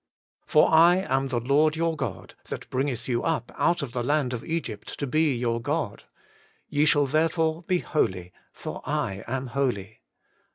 For I am the Lord your God that bringeth you up out of the land of Egypt to be your God : ye shall therefore be holy, for I am holy.'